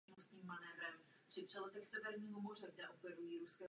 Dužnina je nažloutlá s navinulou chutí.